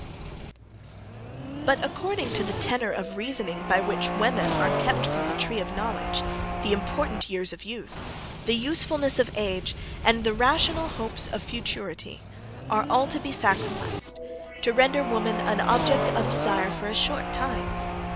But, according to the tenor of reasoning by which women are kept from the tree of knowledge, the important years of youth, the usefulness of age, and the rational hopes of futurity, are all to be sacrificed, to render woman an object of desire for a short time.